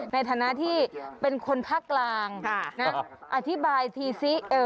ในฐานะที่เป็นคนภาคกลางอธิบายทีซิ